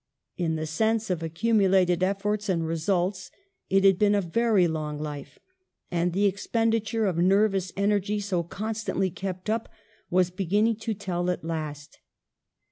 In the sense of accumulated efforts and results it had been a very long life, and the expenditure of nervous energy so constantly kept up was beginning to tell at last.